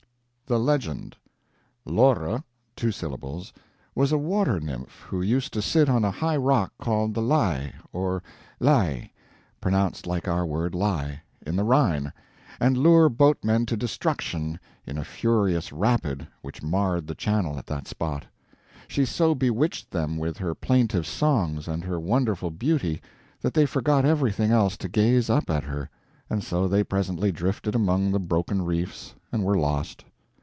THE LEGEND Lore (two syllables) was a water nymph who used to sit on a high rock called the Ley or Lei (pronounced like our word LIE) in the Rhine, and lure boatmen to destruction in a furious rapid which marred the channel at that spot. She so bewitched them with her plaintive songs and her wonderful beauty that they forgot everything else to gaze up at her, and so they presently drifted among the broken reefs and were lost.